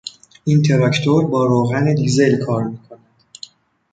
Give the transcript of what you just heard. این تراکتور با روغن دیزل کار میکند.